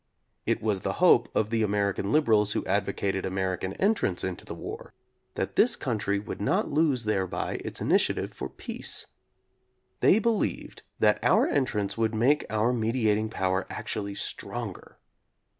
It was the hope of the American liberals who advocated American entrance into the war that this country would not lose thereby its initiative for peace. They be lieved that our entrance would make our mediat ing power actually stronger.